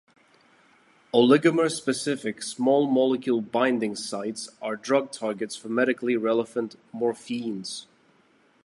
Oligomer-specific small molecule binding sites are drug targets for medically relevant morpheeins.